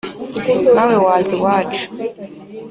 nawe waza iwacu